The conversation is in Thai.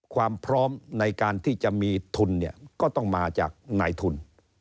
ความพร้อมในการที่จะมีทุนเนี่ยก็ต้องมาจากนายทุน